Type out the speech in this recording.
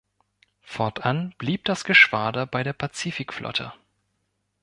Fortan blieb das Geschwader bei der Pazifikflotte.